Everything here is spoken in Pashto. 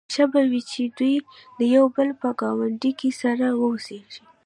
ښه به وي چې دوی د یو بل په ګاونډ کې سره واوسيږي.